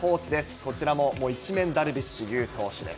こちらも１面、ダルビッシュ有投手です。